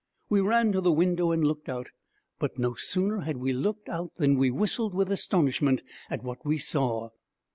We ran to the window and looked out; but no sooner had we looked out than we whistled with astonishment at what we saw.